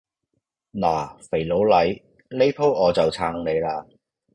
嗱，肥佬黎，呢舖我就撐你嘞